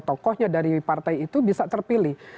tokohnya dari partai itu bisa terpilih